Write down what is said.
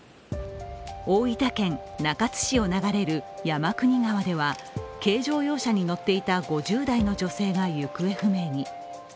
大分県中津市を流れる山国川では軽乗用車に乗っていた５０代の女性が行方不明に。